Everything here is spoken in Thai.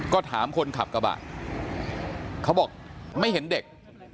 ก็ถามคนขับกระบะเขาบอกไม่เห็นเด็ก